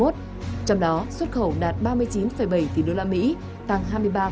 trong đó xuất khẩu đạt ba mươi chín bảy tỷ đô la mỹ tăng hai mươi ba năm